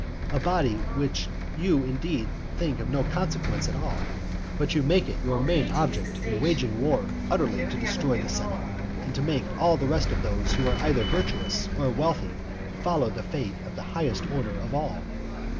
a body which you indeed think of no consequence at all; but you make it your main object in waging war utterly to destroy the senate, and to make all the rest of those who are either virtuous or wealthy follow the fate of the highest order of all.